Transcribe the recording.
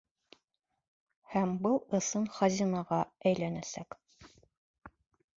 Һәм был ысын хазинаға әйләнәсәк.